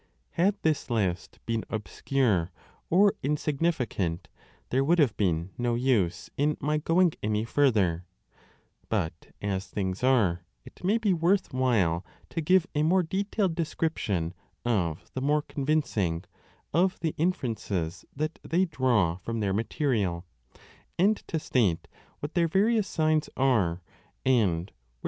Had this list been obscure r,5 or insignificant, 4 there would have been no use in my going any further ; but, as things are, it may be worth while 8o6 b to give a more detailed description of the more convincing 5 of the inferences that they draw from their material, and 1 8d6 a 12. F. reads rradfjfiaTi for 7rp<iy/*<m.